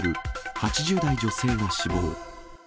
８０代女性が死亡。